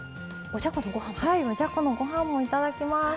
おじゃこのご飯もいただきます。